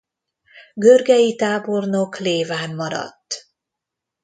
Görgei tábornok Léván maradt.